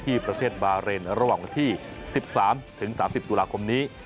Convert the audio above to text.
ที่ประเทศบาเรนระหว่างวันที่๑๓๓๐ตุลาคมนี้